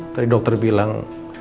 tadi dokter bilang